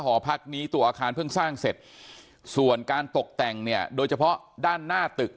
หอพักนี้ตัวอาคารเพิ่งสร้างเสร็จส่วนการตกแต่งเนี่ยโดยเฉพาะด้านหน้าตึก